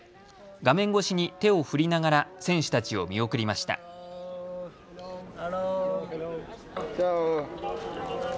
画面越しに手を振りながら選手たちを見送りました。